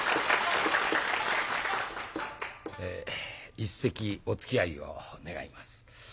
一席おつきあいを願います。